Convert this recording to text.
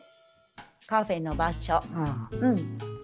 カフェの場所。